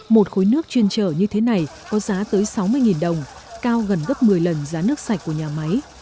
một khối nước chuyên chở như thế này có giá tới sáu mươi đồng cao gần gấp một mươi lần giá nước sạch của nhà máy